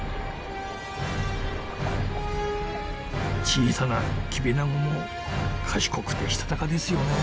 小さなキビナゴも賢くてしたたかですよね。